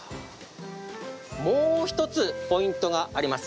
もう１つポイントがあります。